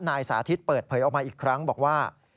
สาธิตเปิดเผยออกมาอีกครั้งบอกว่า